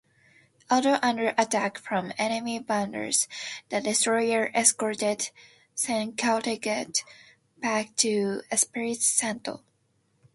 Although under attack from enemy bombers, the destroyer escorted "Chincoteague" back to Espiritu Santo.